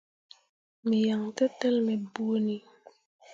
Me yan tǝtel me bõoni.